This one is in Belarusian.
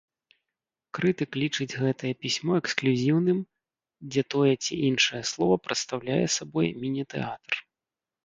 Крытык лічыць гэтае пісьмо эксклюзіўным, дзе тое ці іншае слова прадстаўляе сабой міні-тэатр.